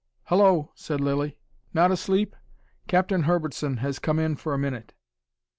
"Hullo!" said Lilly. "Not asleep? Captain Herbertson has come in for a minute."